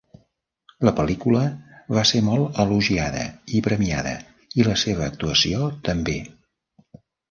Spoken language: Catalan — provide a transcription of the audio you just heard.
La pel·lícula va ser molt elogiada i premiada i la seva actuació també.